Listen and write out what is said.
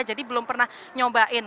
jadi belum pernah nyobain